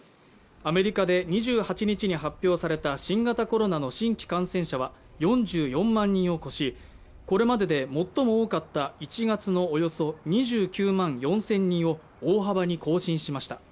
アメリカで２８日に発表された新型コロナの新規感染者は４４万人を超しこれまでで最も多かった１月のおよそ２９万４０００人を大幅に更新しました。